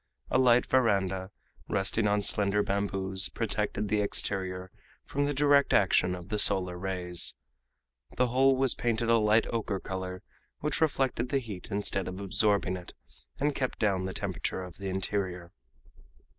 A light veranda, resting on slender bamboos, protected the exterior from the direct action of the solar rays. The whole was painted a light ocher color, which reflected the heat instead of absorbing it, and kept down the temperature of the interior.